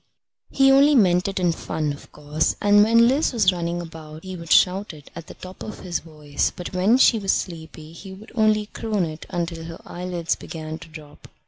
He only meant it in fun, of course, and when Liz was running about he would shout it at the top of his voice, but when she was sleepy he would only croon it until her eyelids began to drop.